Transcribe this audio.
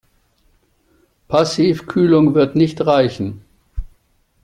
Passivkühlung wird nicht reichen.